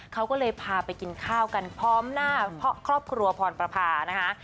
เขาก็เลยพาไปกินข้าวกันพร้อมหน้าครอบครัวพรประพานะคะ